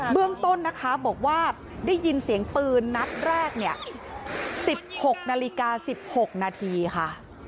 เรื่องต้นนะคะบอกว่าได้ยินเสียงปืนนัดแรกเนี่ย๑๖นาฬิกา๑๖นาทีค่ะ